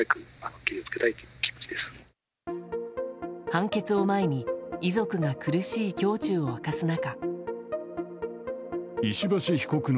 判決を前に遺族が苦しい胸中を明かす中。